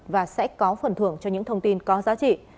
và sẽ có phần thưởng cho những thông tin có giá trị